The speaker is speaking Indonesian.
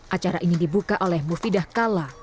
acara ini dibuka oleh mufidah kalla